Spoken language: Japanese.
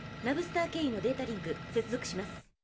ナブスター経由のデータリンク接続します。